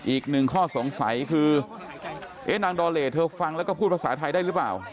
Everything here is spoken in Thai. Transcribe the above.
อีกหนึ่งข้อสงสัยคือเอ๊ะนางดอเลเธอฟังแล้วก็พูดภาษาไทยได้หรือเปล่า